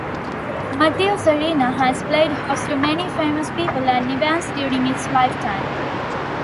Matthews Arena has played host to many famous people and events during its lifetime.